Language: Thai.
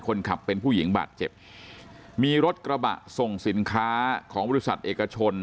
คนขับเป็นผู้หญิงบาดเจ็บมีรถกระบะส่งสินค้าของบริษัทเอกชน